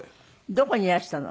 どこにいらしたの？